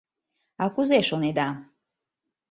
— А кузе шонеда...